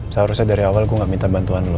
seharusnya dari awal gue gak minta bantuan lo